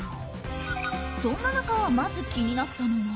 そんな中、まず気になったのが。